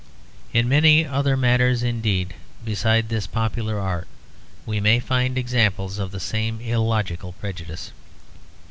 In many other matters indeed, besides this popular art, we may find examples of the same illogical prejudice.